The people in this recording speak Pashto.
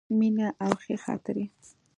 مینه او ښې خاطرې.